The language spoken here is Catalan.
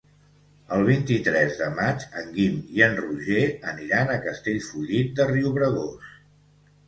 El vint-i-tres de maig en Guim i en Roger aniran a Castellfollit de Riubregós.